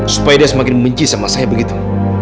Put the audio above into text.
supaya dia semakin membenci sama saya begitu